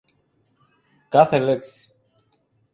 κάθε λέξη